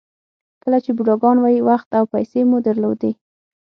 کله چې بوډاګان وئ وخت او پیسې مو درلودې.